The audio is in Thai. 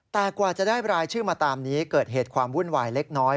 แต่กว่าจะได้รายชื่อมาตามนี้เกิดเหตุความวุ่นวายเล็กน้อย